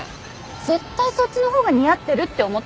絶対そっちのほうが似合ってるって思ってません？